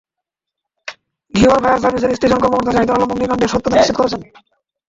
Ghior fire সার্ভিসের station কর্মকর্তা জাহিদুল আলম অগ্নিকাণ্ডের সত্যতা নিশ্চিত করেছেন।